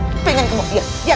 kepengen kamu iya